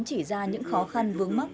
chỉ ra những khó khăn vướng mắt